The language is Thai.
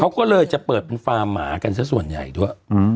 เขาก็เลยจะเปิดเป็นฟาร์มหมากันสักส่วนใหญ่ด้วย